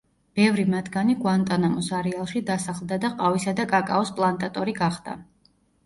ბევრი მათგანი გუანტანამოს არეალში დასახლდა და ყავისა და კაკაოს პლანტატორი გახდა.